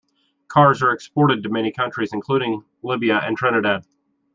Cars are exported to many countries, including Libya and Trinidad.